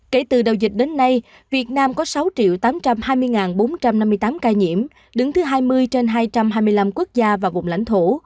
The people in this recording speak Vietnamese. kể từ đầu dịch đến nay việt nam có sáu tám trăm hai mươi bốn trăm năm mươi tám ca nhiễm đứng thứ hai mươi trên hai trăm hai mươi năm quốc gia và vùng lãnh thổ